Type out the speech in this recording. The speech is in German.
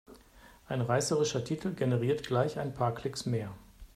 Ein reißerischer Titel generiert gleich ein paar Klicks mehr.